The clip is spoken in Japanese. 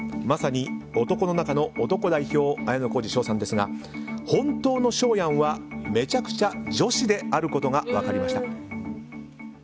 まさに男の中の男代表綾小路翔さんですが本当の翔やんはめちゃくちゃ女子であることが分かりました。